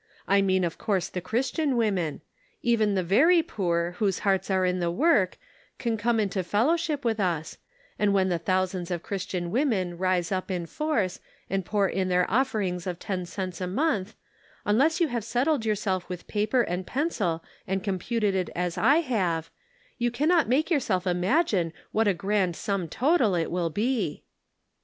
I mean of course the Christian women ; even the very poor, whose hearts are in the work can come into fellowship with us, and when the thousands of Christian women rise up in force and pour in their offerings of ten cents a month, unless you have settled yourself with paper and pencil and computed it as I have, you cannot make yourself imagine what a grand sum total it will be